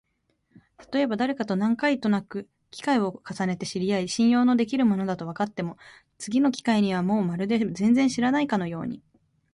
たとえばだれかと何回となく機会を重ねて知り合い、信用のできる者だとわかっても、次の機会にはもうまるで全然知らないかのように、